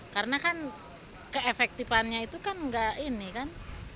karena kan keefektifannya itu kan enggak ini kan